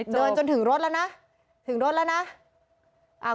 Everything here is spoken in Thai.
จนถึงรถแล้วนะถึงรถแล้วนะ